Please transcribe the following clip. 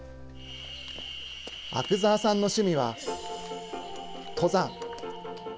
阿久澤さんの趣味は登山。